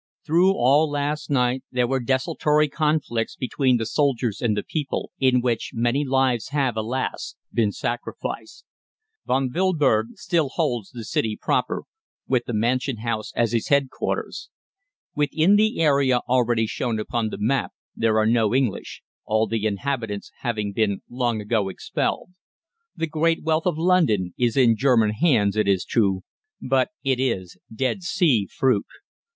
Through all last night there were desultory conflicts between the soldiers and the people, in which many lives have, alas! been sacrificed. "Von Wilberg still holds the City proper, with the Mansion House as his headquarters. Within the area already shown upon the map there are no English, all the inhabitants having been long ago expelled. The great wealth of London is in German hands, it is true, but it is Dead Sea fruit.